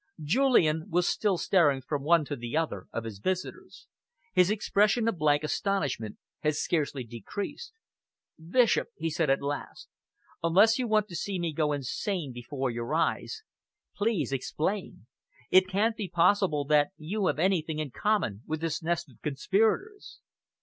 Julian was still staring from one to the other of his visitors. His expression of blank astonishment had scarcely decreased. "Bishop," he said at last, "unless you want to see me go insane before your eyes, please explain. It can't be possible that you have anything in common with this nest of conspirators."